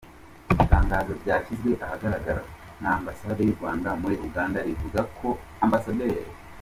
Itangazo ryashyizwe ahagaragara na ambasade y’u Rwanda muri Uganda rivuga ko Amb.